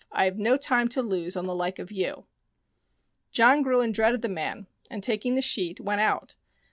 I have no time to lose on the like of you." John grew in dread of the man, and taking the sheet, went out.